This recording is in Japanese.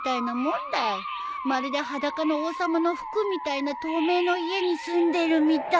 まるで『裸の王様』の服みたいな透明の家に住んでるみたい。